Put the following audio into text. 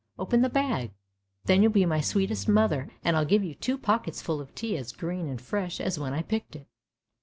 Open the bag! then you'll be my sweetest mother, and I'll give you two pockets full of tea as green and fresh as when I picked it!